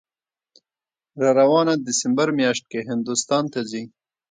راروانه دسامبر میاشت کې هندوستان ته ځي